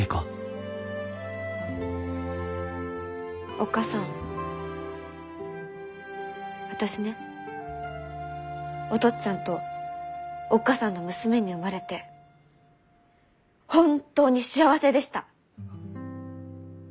おっ母さん私ねお父っつぁんとおっ母さんの娘に生まれて本当に幸せでした！